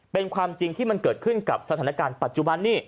เป็นความจริงที่มันเกิดขึ้นกับสถานการณ์ปัจจุบันนี้